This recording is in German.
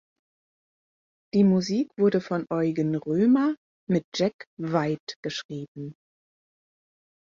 Die Musik wurde von Eugen Römer mit Jack White geschrieben.